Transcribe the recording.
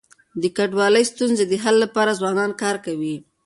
د کډوالی ستونزي د حل لپاره ځوانان کار کوي.